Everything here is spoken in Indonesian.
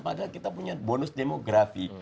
padahal kita punya bonus demografi